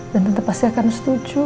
dan tante pasti akan setuju